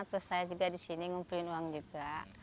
terus saya juga di sini ngumpulin uang juga